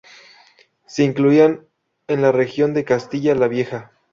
Se incluía en la Región de Castilla la Vieja.